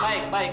baik baik baik